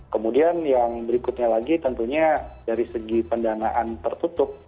kemudian yang berikutnya lagi tentunya dari segi pendanaan tertutup